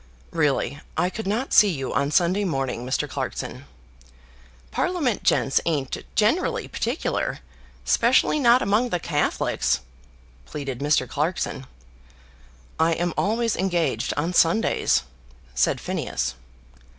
"Really, I could not see you on Sunday morning, Mr. Clarkson." "Parliament gents ain't generally particular, 'speciaily not among the Catholics," pleaded Mr. Clarkson. "I am always engaged on Sundays," said Phineas.